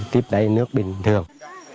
tiếp đáy nước bình thường